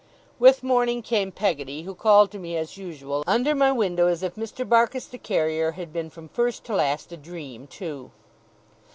With morning came Peggotty; who called to me, as usual, under my window as if Mr. Barkis the carrier had been from first to last a dream too.